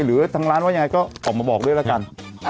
หรือทางร้านว่ายังไงก็ออกมาบอกด้วยละกัน